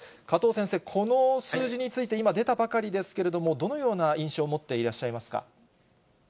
加藤先生、この数字について、今、出たばかりですけれども、どのような印象を持っていらっしゃいますか。